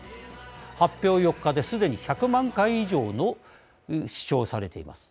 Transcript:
発表４日で、すでに１００万回以上の視聴をされています。